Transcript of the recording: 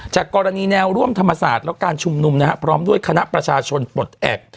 จากกรณีแนวร่วมธรรมศาสตร์และการชุมนุมนะครับพร้อมด้วยคณะประชาชนปลดแอบ